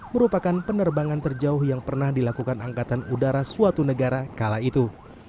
merupakan penerbangan terjauh yang pernah dilakukan angkatan udara suatu negara kala itu